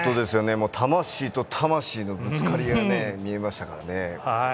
魂と魂のぶつかり合いが見えましたからね。